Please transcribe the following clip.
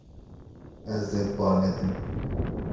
Ez ê ba nedim.